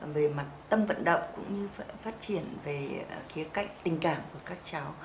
về mặt tâm vận động cũng như phát triển về khía cạnh tình cảm của các cháu